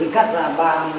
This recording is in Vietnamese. để cắt ra thành hộp